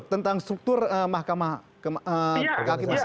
tentang struktur mahkamah keadilasi